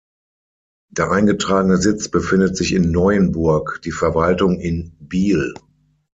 Der eingetragene Sitz befindet sich in Neuenburg, die Verwaltung in Biel.